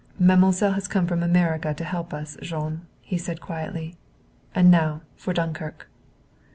"Mademoiselle has come from America to help us, Jean," he said quietly. "And now for Dunkirk."